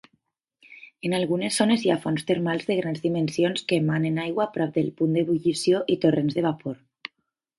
En algunes zones hi ha fonts termals de grans dimensions que emanen aigua prop del punt d'ebullició i torrents de vapor.